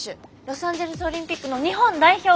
ロサンジェルスオリンピックの日本代表！